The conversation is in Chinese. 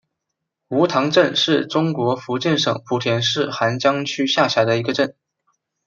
梧塘镇是中国福建省莆田市涵江区下辖的一个镇。